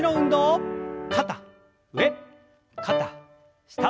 肩上肩下。